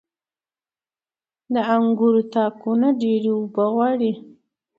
• د انګورو تاکونه ډيرې اوبه غواړي.